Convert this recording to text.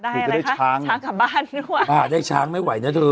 จะได้ช้างช้างกลับบ้านด้วยอ่าได้ช้างไม่ไหวนะเธอ